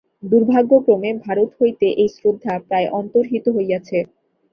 দুর্ভাগ্যক্রমে ভারত হইতে এই শ্রদ্ধা প্রায় অন্তর্হিত হইয়াছে।